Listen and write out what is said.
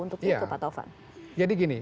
untuk itu pak taufan jadi gini